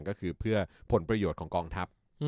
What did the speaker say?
ก็คือเพื่อผลประโยชน์ของกองทัพ